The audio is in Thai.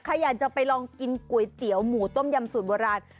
ใครอยากจะไปลองกินก๋วยเตี๋ยวหมูต้มยำสูตรโบราณ